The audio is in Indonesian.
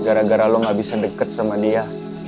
gara gara lo gak bisa deket sama dia